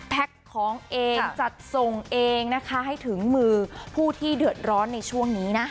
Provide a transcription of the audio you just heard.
ของเองจัดส่งเองนะคะให้ถึงมือผู้ที่เดือดร้อนในช่วงนี้นะ